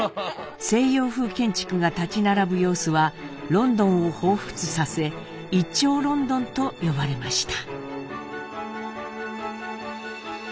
西洋風建築が建ち並ぶ様子はロンドンを彷彿させ「一丁倫敦」と呼ばれました。